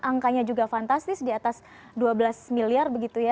angkanya juga fantastis di atas dua belas miliar